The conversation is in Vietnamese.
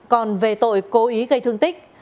còn về tội cố ý gây thương tích